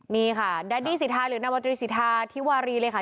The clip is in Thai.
นี่ค่ะแดดี้สิทธาหรือนาวตรีสิทธาธิวารีเลยค่ะ